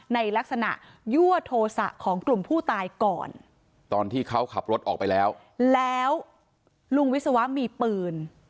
ในลักษณะยั่วโทษะของกลุ่มผู้ตายก่อนตอนที่เขาขับรถออกไปแล้วแล้วลุงวิศวะมีปืน